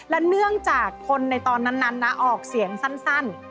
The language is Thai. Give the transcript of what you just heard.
และเนื่องจากคนในตอนนั้นนะออกเสียงสั้น